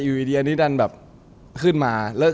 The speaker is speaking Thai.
แต่อีวิธีอันนี้มีเวลาเวลากะวันปุ่นเอง